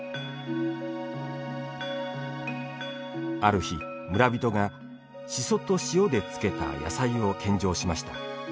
ある日、村人がしそと塩で漬けた野菜を献上しました。